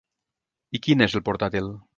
I quin és el portàtil?